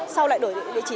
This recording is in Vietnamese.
sau lại đổi địa chỉ